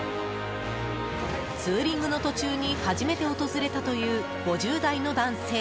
ツーリングの途中に初めて訪れたという５０代の男性。